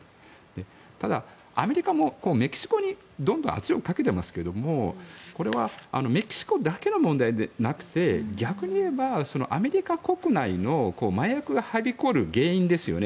ただ、アメリカもメキシコにどんどん圧力をかけてますけどもこれはメキシコだけの問題ではなくて逆に言えばアメリカ国内の麻薬がはびこる原因ですよね。